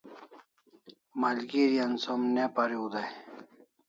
Malgeri an som ne pariu dai